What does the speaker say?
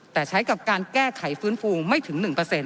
แต่ใช้กับการแก้ไขฟื้นฟูไม่ถึง๑